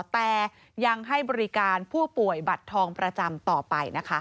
แต่ยังให้บริการผู้ป่วยบัตรทองประจำต่อไปนะคะ